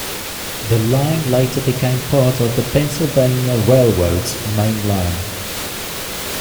The line later became part of the Pennsylvania Railroad's Main Line.